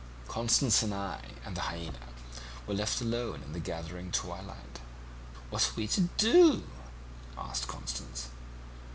Constance and I and the hyaena were left alone in the gathering twilight. "'What are we to do?' asked Constance.